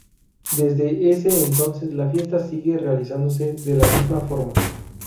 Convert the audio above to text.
Desde ese entonces la fiesta sigue realizándose de la misma forma.